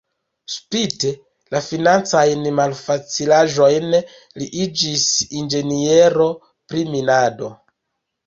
Spite la financajn malfacilaĵojn li iĝis inĝeniero pri minado.